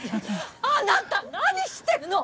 あなた何してるの！